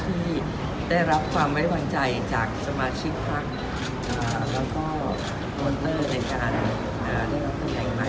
ที่ได้รับความไว้วางใจจากสมาชิกพักแล้วก็โกนเตอร์ในการได้รับตำแหน่งใหม่